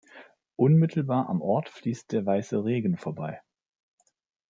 Unmittelbar am Ort fließt der Weiße Regen vorbei.